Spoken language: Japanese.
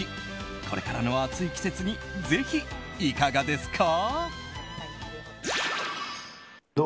これからの暑い季節にぜひいかがですか？